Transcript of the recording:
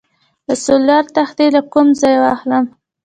د سولر تختې له کوم ځای واخلم؟